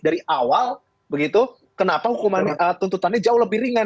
dari awal begitu kenapa hukuman tuntutannya jauh lebih ringan